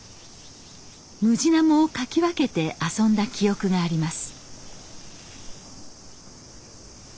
ムジナモをかき分けて遊んだ記憶があります。